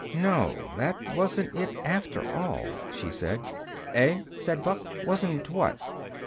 "No, that wasn't it, after all," she said. "Eh?" said Buck. "Wasn't what?"